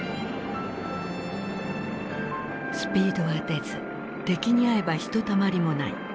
スピードは出ず敵にあえばひとたまりもない。